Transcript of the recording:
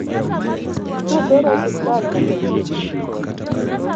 Notere osiptal man machiegni